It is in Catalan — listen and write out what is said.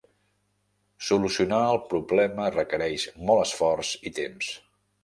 Solucionar el problema requereix molt esforç i temps.